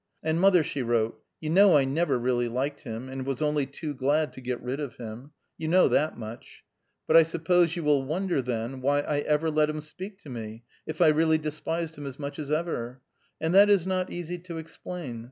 "And mother," she wrote, "you know I never really liked him, and was only too glad to get rid of him; you know that much. But I suppose you will wonder, then, why I ever let him speak to me if I really despised him as much as ever; and that is not easy to explain.